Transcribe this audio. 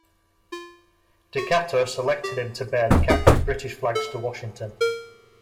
Decatur selected him to bear the captured British flags to Washington.